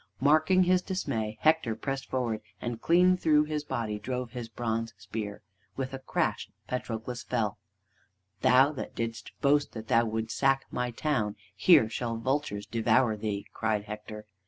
Marking his dismay, Hector pressed forward, and clean through his body drove his bronze spear. With a crash Patroclus fell. "Thou that didst boast that thou wouldst sack my town, here shall vultures devour thee!" cried Hector.